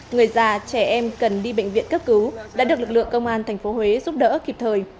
người già trẻ em cần đi bệnh viện cấp cứu đã được lực lượng công an tp huế giúp đỡ kịp thời